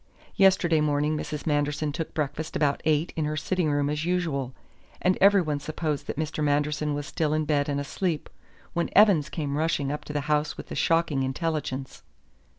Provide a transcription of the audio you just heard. Yesterday morning Mrs. Manderson took breakfast about eight in her sitting room as usual, and everyone supposed that Mr. Manderson was still in bed and asleep when Evans came rushing up to the house with the shocking intelligence."